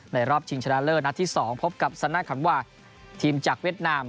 รอบชิงชนะเลิศนัดที่๒พบกับซาน่าขันวาทีมจากเวียดนาม